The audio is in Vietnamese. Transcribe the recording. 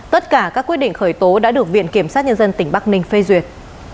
tất cả các quyết định khởi tố đã được viện kiểm sát nhân dân tỉnh bắc ninh phê duyệt